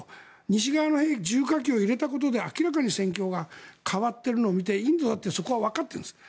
西側の重火器を入れたことで明らかに戦況が変わっているのを見てインドだってそこはわかってるんです。